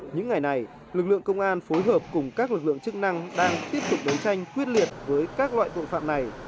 những ngày này lực lượng công an phối hợp cùng các lực lượng chức năng đang tiếp tục đấu tranh quyết liệt với các loại tội phạm này